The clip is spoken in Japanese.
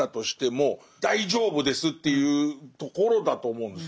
その大丈夫ですっていうところが大事なんだと思うんですよ。